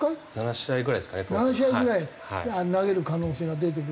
７試合ぐらい投げる可能性が出てくるけど。